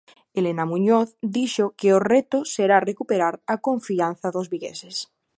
Elena Muñoz dixo que o reto será recuperar a confianza dos vigueses.